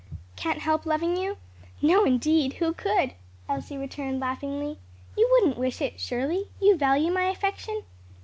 "Can't help loving you? No, indeed; who could?" Elsie returned laughingly. "You wouldn't wish it, surely? You value my affection?"